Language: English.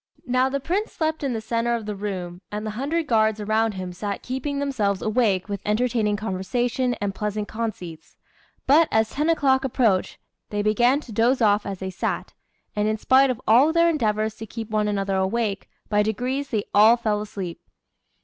Now the Prince slept in the centre of the room, and the hundred guards around him sat keeping themselves awake with entertaining conversation and pleasant conceits. But, as ten o'clock approached, they began to doze off as they sat; and in spite of all their endeavours to keep one another awake, by degrees they all fell asleep.